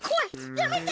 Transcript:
やめて。